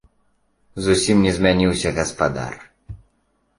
Зусім не змяніўся гаспадар.